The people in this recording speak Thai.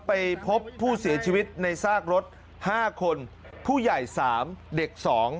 ไปพบผู้เสียชีวิตในซากรถ๕คนผู้ใหญ่๓เด็ก๒